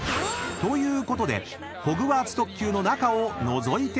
［ということでホグワーツ特急の中をのぞいてみましょう］